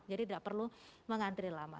jadi tidak perlu mengantri lama